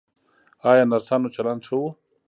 ایا نرسانو چلند ښه و؟